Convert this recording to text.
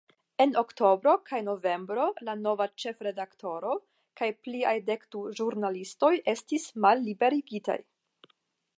En oktobro kaj novembro la nova ĉefredaktoro kaj pliaj dekdu ĵurnalistoj estis malliberigitaj.